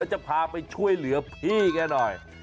จะพาไปช่วยเหลือพี่แกหน่อย